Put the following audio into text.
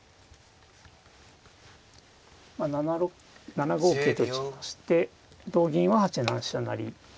７五桂と打ちまして同銀は８七飛車成。